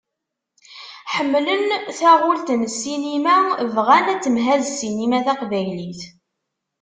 Ḥemmlen taɣult n ssinima, bɣan ad temhaz ssinima taqbaylit.